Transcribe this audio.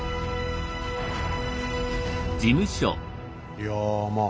いやまあ